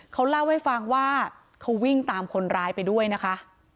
เขาเล่าให้ฟังว่าเขาวิ่งตามคนร้ายไปด้วยนะคะ